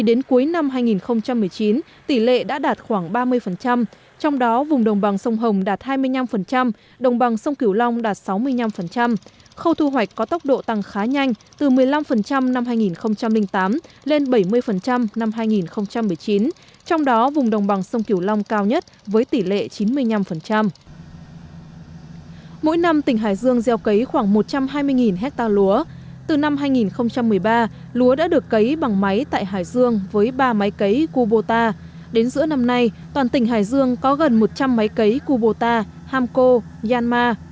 đến giữa năm nay toàn tỉnh hải dương có gần một trăm linh máy cấy kubota hamco yanma